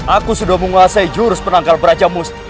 aku sudah menguasai jurus penangkal perajamus